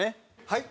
はい？